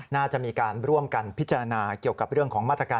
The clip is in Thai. น่าจะมีการร่วมกันพิจารณาเกี่ยวกับเรื่องของมาตรการ